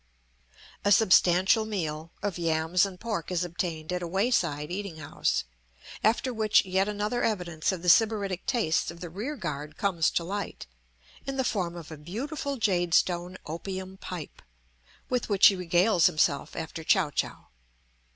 A substantial meal of yams and pork is obtained at a way side eating house, after which yet another evidence of the sybaritic tastes of the rear guard comes to light, in the form of a beautiful jade stone opium pipe, with which he regales himself after chow chow.